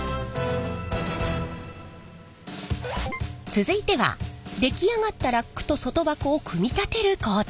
続いては出来上がったラックと外箱を組み立てる工程。